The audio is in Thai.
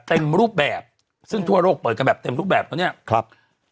เต็มรูปแบบซึ่งทั่วโลกเปิดกันแบบเต็มรูปแบบแล้วเนี่ยครับ